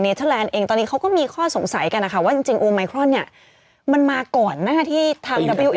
เองตอนนี้เขาก็มีข้อสงสัยกันนะคะว่าจริงจริงเนี้ยมันมาก่อนนะฮะที่ทาง